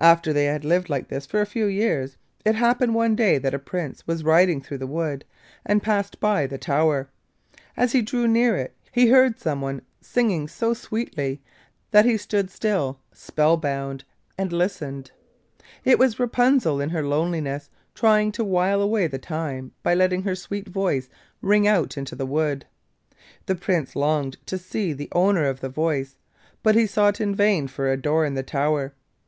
After they had lived like this for a few years, it happened one day that a Prince was riding through the wood and passed by the tower. As he drew near it he heard someone singing so sweetly that he stood still spell bound, and listened. It was Rapunzel in her loneliness trying to while away the time by letting her sweet voice ring out into the wood. The Prince longed to see the owner of the voice, but he sought in vain for a door in the tower.